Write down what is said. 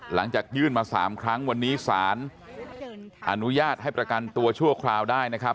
หลังจากยื่นมา๓ครั้งวันนี้สารอนุญาตให้ประกันตัวชั่วคราวได้นะครับ